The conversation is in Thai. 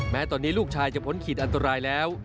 แม้ตอนนี้ลูกชายจะพ้นขีดอันตรายแล้ว